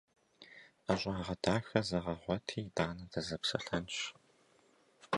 Ӏэщагъэ дахэ зэгъэгъуэти, итӀанэ дызэпсэлъэнщ!